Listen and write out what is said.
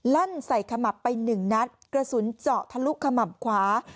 ลั่นใส่ขมับไปหนึ่งนัดกระสุนเจาะทะลุขมับขวา